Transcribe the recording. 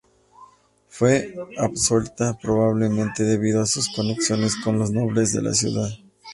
Fue absuelta, probablemente debido a sus conexiones con los nobles de la ciudad.